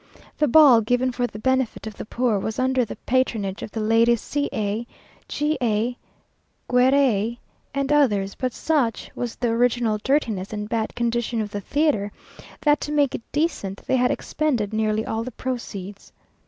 The ball, given for the benefit of the poor, was under the patronage of the ladies C a, G a, Guer a, and others, but such was the original dirtiness and bad condition of the theatre, that to make it decent, they had expended nearly all the proceeds.